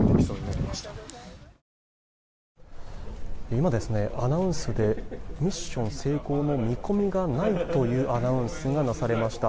今、アナウンスでミッション成功の見込みがないというアナウンスがなされました。